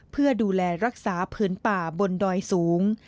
เพื่อดูแลรักษาพื้นป่าบนดอยสูง